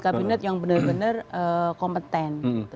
kabinet yang benar benar kompeten